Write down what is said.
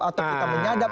atau kita menyadap